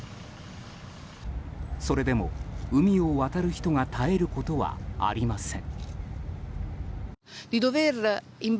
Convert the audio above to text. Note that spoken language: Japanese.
それでも海を渡る人が絶えることはありません。